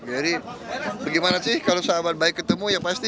jadi bagaimana sih kalau sahabat baik ketemu ya pasti